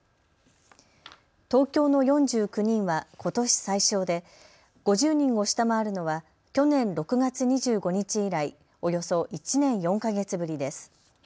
東京の４９人はことし最少で５０人を下回るのは去年６月２５日以来、およそ１年４か月ぶりです。